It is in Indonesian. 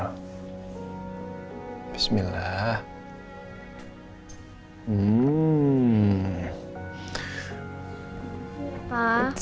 hai bismillah hai hmm